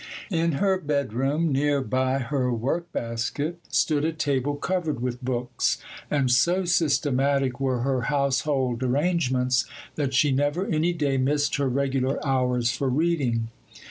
In her bedroom, near by her work basket, stood a table covered with books,—and so systematic were her household arrangements, that she never any day missed her regular hours for reading.